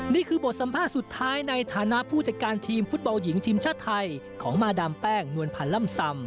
นี่คือบทสัมภาษณ์สุดท้ายในฐานะผู้จัดการทีมฟุตบอลหญิงทีมชาติไทยของมาดามแป้งนวลพันธ์ล่ำซำ